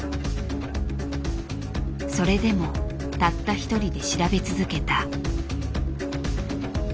それでもたった一人で調べ続けた。